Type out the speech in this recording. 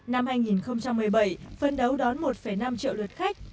năm hai nghìn một mươi bảy phân đấu đón một năm triệu lượt khách